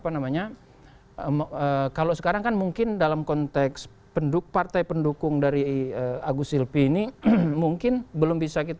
nah kalau sekarang kan mungkin dalam konteks partai pendukung dari agus silpi ini mungkin belum bisa kita lihat